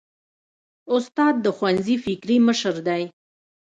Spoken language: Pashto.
استاد د ښوونځي فکري مشر دی.